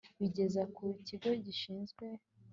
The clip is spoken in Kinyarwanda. bigeza ku kigo gishinzwe